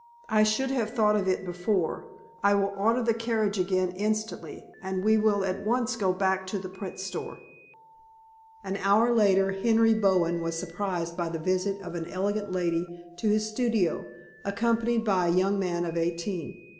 "I should have thought of it before. I will order the carriage again instantly, and we will at once go back to the print store." An hour later, Henry Bowen was surprised by the visit of an elegant lady to his studio, accompanied by a young man of eighteen.